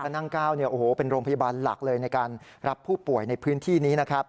นั่ง๙เป็นโรงพยาบาลหลักเลยในการรับผู้ป่วยในพื้นที่นี้นะครับ